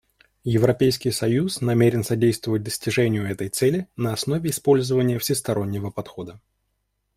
Европейский союз намерен содействовать достижению этой цели на основе использования всестороннего подхода.